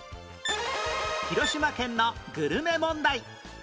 広島県のグルメ問題